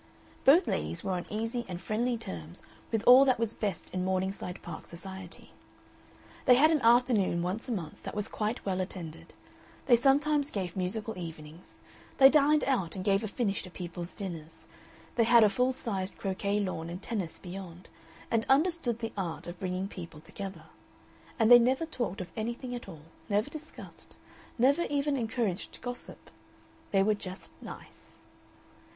Both ladies were on easy and friendly terms with all that was best in Morningside Park society; they had an afternoon once a month that was quite well attended, they sometimes gave musical evenings, they dined out and gave a finish to people's dinners, they had a full sized croquet lawn and tennis beyond, and understood the art of bringing people together. And they never talked of anything at all, never discussed, never even encouraged gossip. They were just nice.